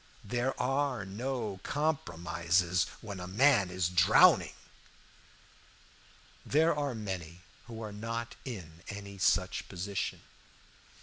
There are no compromises when a man is drowning. "There are many who are not in any such position.